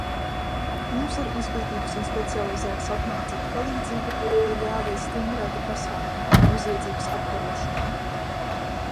Mums ar izglītības un specializētas apmācības palīdzību ir jāveic stingrāki pasākumi noziedzības apkarošanai.